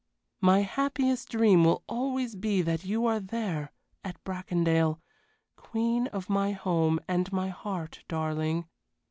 My happiest dream will always be that you are there at Bracondale queen of my home and my heart, darling.